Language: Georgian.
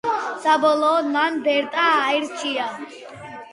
საბოლოოდ მან ბერტა აირჩია.